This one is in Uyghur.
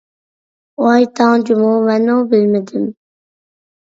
ۋاي تاڭ جۇمۇ، مەنمۇ بىلمىدىم!